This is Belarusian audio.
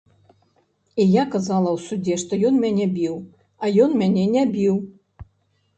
І я казала ў судзе, што ён мяне біў, а ён мяне не біў!